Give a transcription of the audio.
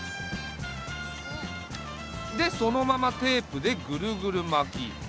でそのままテープでぐるぐる巻き。